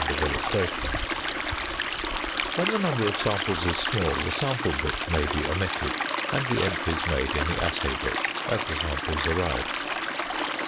15% |+++++++++ When the number of samples is small, the Sample Book may be omitted, and the entries made in the Assay Book as the samples arrive.